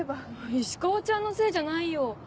石川ちゃんのせいじゃないよ。